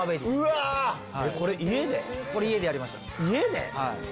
家でやりました。